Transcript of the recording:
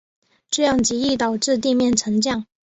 这样极易导致地面沉降。